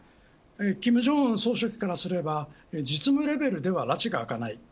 金正恩総書記からすれば実務レベルではらちが明かない。